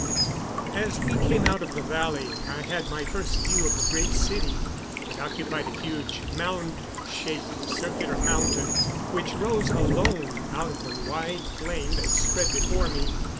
As we came out of the valley I had my first view of the Great City. It occupied a huge, mound shaped circular mountain which rose alone out of the wide plain that spread before me.